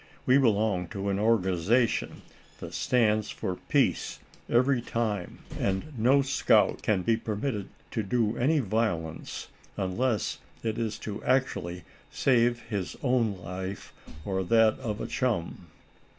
We belong to an organization that stands for peace every time, and no scout can be permitted to do any violence, unless it is to actually save his own life, or that of a chum."